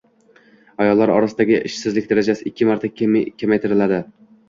ayollar orasidagi ishsizlik darajasi ikki marta kamaytiriladi.